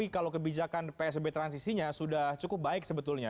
kalau kebijakan psbb transisinya sudah cukup baik sebetulnya